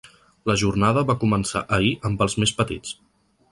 La jornada va començar ahir amb els més petits.